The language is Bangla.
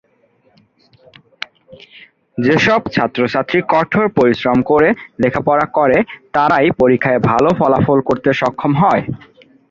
যেসব ছাত্রছাত্রী কঠোর পরিশ্রম করে লেখাপড়া করে তারাই পরীক্ষা ভালো ফলাফল করতে সক্ষম হয়।